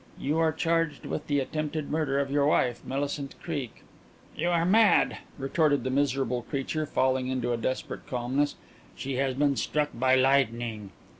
"You are charged with the attempted murder of your wife, Millicent Creake." "You are mad," retorted the miserable creature, falling into a desperate calmness. "She has been struck by lightning."